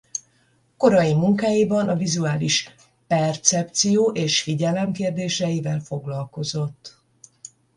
Korai munkáiban a vizuális percepció és figyelem kérdéseivel foglalkozott.